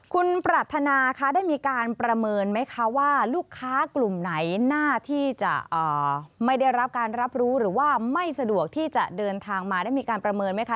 คุณปรัฐนาคะได้มีการประเมินไหมคะว่าลูกค้ากลุ่มไหนน่าที่จะไม่ได้รับการรับรู้หรือว่าไม่สะดวกที่จะเดินทางมาได้มีการประเมินไหมคะ